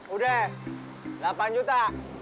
udah delapan juta